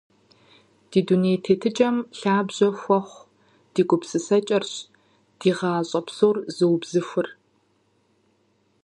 Ди дуней тетыкӀэм лъабжьэ хуэхъу ди гупсысэкӀэрщ ди гъащӀэ псор зыубзыхур.